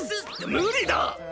無理だ！